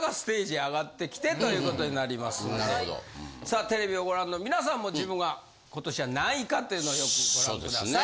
さあテレビをご覧の皆さんも自分が今年は何位かというのをよくご覧ください。